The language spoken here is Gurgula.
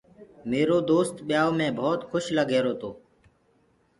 ميرو دوست ٻيآيو مي ڀوت کُش لگرهيرو تو۔